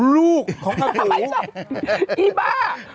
ลูกของข้าศิลปุ่น